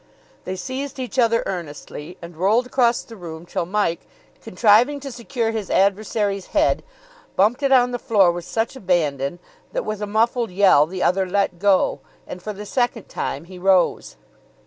They seized each other earnestly and rolled across the room till Mike, contriving to secure his adversary's head, bumped it on the floor with such abandon that, with a muffled yell, the other let go, and for the second time he rose.